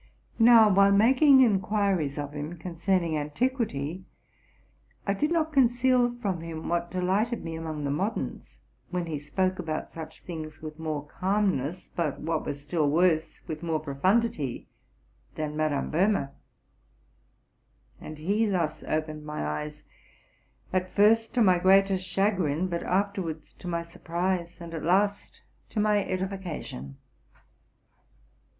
Now, while making inquiries of him concerning antiquity, I did not conceal from him what delighted me among the moderns ; when he spoke about such things with more calmness, but, what was still worse, with more profundity than Madame Bohme ; and he thus opened my eyes, at first to my greatest chagrin, but afterwards to my surprise, and at last to my edification.